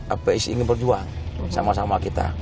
abaic ingin berjuang sama sama kita